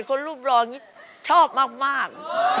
คนรูปรองชอบมาก